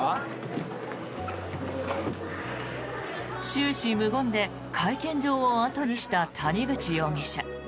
終始無言で会見場を後にした谷口容疑者。